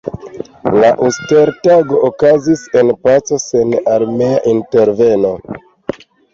La Uster-Tago okazis en paco sen armea interveno.